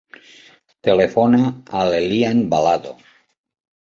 Telefona a l'Elian Balado.